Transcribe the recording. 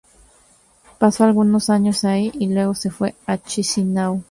Pasó algunos años allí y luego se fue a Chisinau.